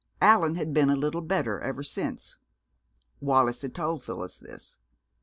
Allan had been a little better ever since. Wallis had told Phyllis this.